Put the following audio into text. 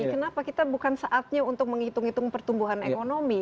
kenapa kita bukan saatnya untuk menghitung hitung pertumbuhan ekonomi